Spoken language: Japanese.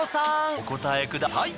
お答えください。